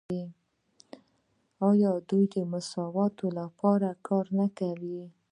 آیا دوی د مساوات لپاره کار نه کوي؟